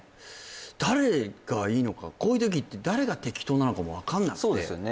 誰がいいのかこういう時って誰が適当なのかも分かんなくてそうですよね